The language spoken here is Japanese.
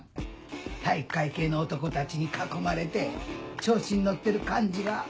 体育会系の男たちに囲まれて調子に乗ってる感じが。